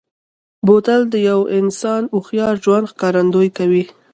بوتل د یوه انسان هوښیار ژوند ښکارندوي کوي.